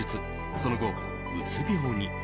その後、うつ病に。